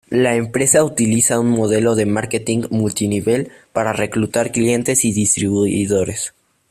La empresa utiliza un modelo de marketing multinivel para reclutar clientes y distribuidores.